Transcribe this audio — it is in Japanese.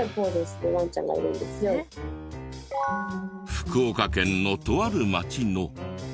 福岡県のとある町の。